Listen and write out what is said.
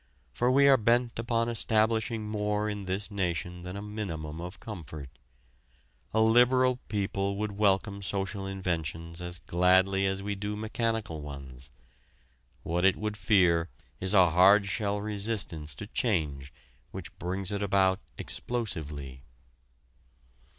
For we are bent upon establishing more in this nation than a minimum of comfort. A liberal people would welcome social inventions as gladly as we do mechanical ones. What it would fear is a hard shell resistance to change which brings it about explosively.